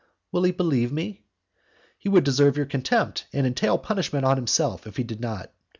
"Will he believe me?" "He would deserve your contempt, and entail punishment on himself if he did not.